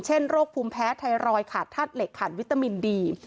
โรคภูมิแพ้ไทรอยด์ขาดธาตุเหล็กขาดวิตามินดี